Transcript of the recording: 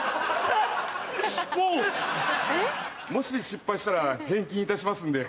もし失敗したら返金いたしますんで。